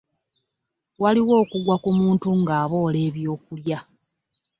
Waliwo okugwa ku muntu ng'aboola ebyokulya.